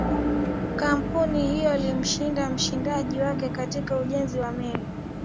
kampuni hiyo ilimshinda mshindani wake katika ujenzi wa meli